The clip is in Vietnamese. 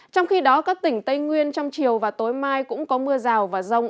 trong khi đó các tỉnh tây nguyên trong chiều và tối mai cũng có mưa rào và rông